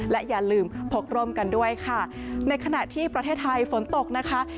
และอย่าลืมพกร่มกันด้วยค่ะในขณะที่ประเทศไทยฝนตกนะคะ